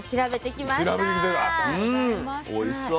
うんおいしそう。